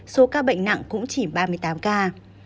số ca bệnh nặng cũng chỉ ba mươi tám ca